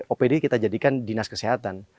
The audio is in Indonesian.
opd kita jadikan dinas kesehatan